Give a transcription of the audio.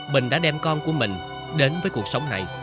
bình đã đem con của mình đến với cuộc sống này